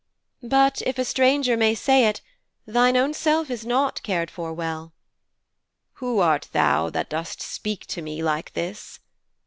But, if a stranger may say it, thine own self is not cared for well.' 'Who art thou that dost speak to me like this?'